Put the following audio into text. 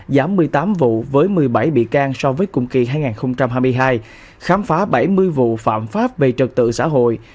giảm một mươi tám vụ với một mươi bảy bị can so với cùng kỳ hai nghìn hai mươi hai khám phá bảy mươi vụ phạm pháp về trật tự xã hội